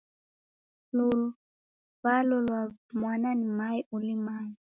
Luwawo lwa mwana ni mae ulimaya.